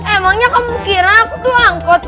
emangnya kamu kira aku tuh angkot